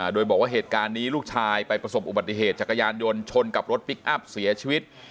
โดยบอกว่าเหตุการณ์นี้ลูกชายไปประสบอุบัติเหตุจักรยานยนต์ชนกับรถพลิกอัพเสียชีวิต